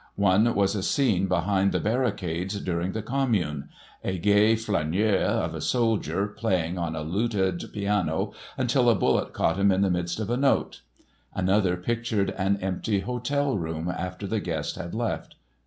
One was a scene behind the barricades during the Commune—a gay flaneur of a soldier playing on a looted piano until a bullet caught him in the midst of a note. Another pictured an empty hotel room after the guest had left.